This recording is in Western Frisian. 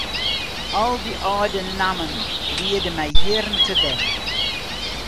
Al dy âlde nammen liede my jierren tebek.